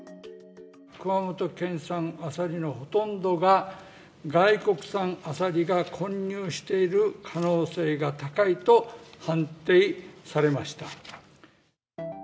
熊本県産アサリのほとんどが外国産アサリが混入している可能性が高いと判定されました。